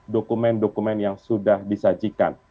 dokumen dokumen yang sudah disajikan